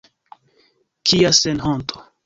Kia senhonto!